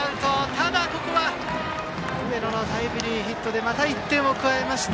ただ、上野のタイムリーヒットでまた１点を加えました。